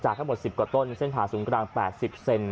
จากทั้งหมดสิบกว่าต้นเส้นผ่าสูงกลางแปดสิบเซน